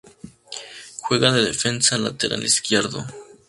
Juega de defensa lateral izquierdo.